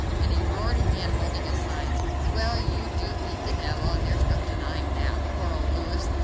And he roared again, holding his sides. "Well, you do beat the devil; there's no denying that. Poor old Louis!